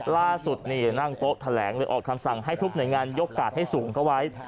ล่าสุดนี่นั่งโต๊ะแถลงเลยออกคำสั่งให้ทุกหน่วยงานยกกาดให้สูงเข้าไว้